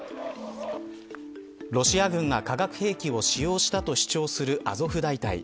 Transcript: ロシア軍が化学兵器を使用したと主張するアゾフ大隊。